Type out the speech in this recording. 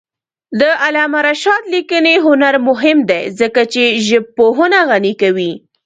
د علامه رشاد لیکنی هنر مهم دی ځکه چې ژبپوهنه غني کوي.